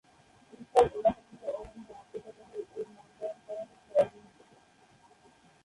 বিশাল এলাকাজুড়ে অরণ্যে আবৃত বলেই এর নামকরণ হয়েছে অরণ্য কুটির।